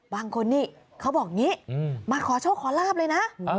บางคนเนี่ยเขาบอกงี้มาขอเช่าขอลาบเลยนะ